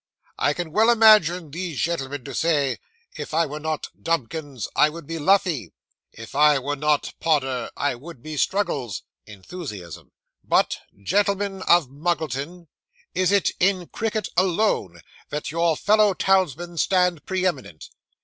I can well imagine these gentlemen to say, "If I were not Dumkins I would be Luffey; if I were not Podder I would be Struggles." (Enthusiasm.) But, gentlemen of Muggleton, is it in cricket alone that your fellow townsmen stand pre eminent?